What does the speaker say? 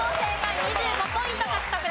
２５ポイント獲得です。